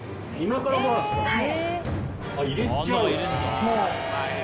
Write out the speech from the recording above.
はい。